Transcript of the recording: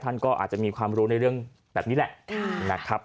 ท่านก็อาจจะมีความรู้ในเรื่องแบบนี้แหละนะครับ